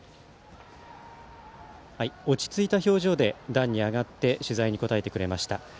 落ち着いた表情で段に上がって取材に答えてくれました。